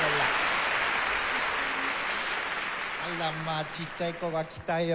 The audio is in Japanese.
あらまあちっちゃい子が来たよ